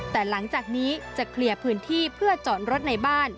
แต่หลังจากนี้จะเคลียร์พื้นที่เพื่อจอดรถในบ้าน